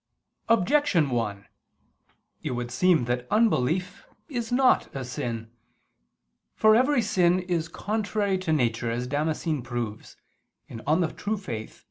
Objection 1: It would seem that unbelief is not a sin. For every sin is contrary to nature, as Damascene proves (De Fide Orth.